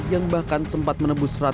yang bahkan sempat menembus rp seratus per kg